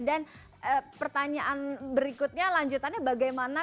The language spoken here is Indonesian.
dan pertanyaan berikutnya lanjutannya bagaimana